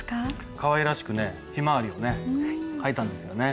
かわいらしくひまわりを書いたんですよね。